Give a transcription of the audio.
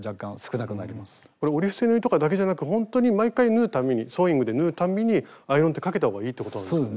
これ折り伏せ縫いとかだけじゃなくほんとに毎回縫う度にソーイングで縫う度にアイロンってかけたほうがいいってことなんですか？